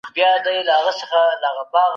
ته بايد هره ورځ لږ تر لږه لس پاڼې ولولې.